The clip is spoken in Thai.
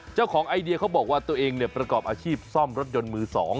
เจ้าของไอเดียเขาบอกว่าเตรียมประกอบอาชีพซ่อมรถยนต์มือ๒